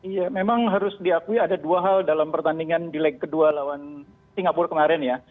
ya memang harus diakui ada dua hal dalam pertandingan di leg kedua lawan singapura kemarin ya